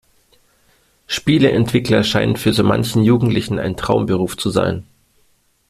Spieleentwickler scheint für so manchen Jugendlichen ein Traumberuf zu sein.